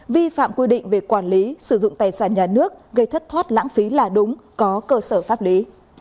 vi phạm quy định về quản lý sử dụng tài sản nhà nước gây thất thoát lãng phí là đúng có cơ sở pháp lý